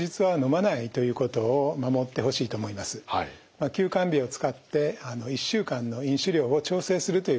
まあ休肝日を使って１週間の飲酒量を調整するということが大事でしょう。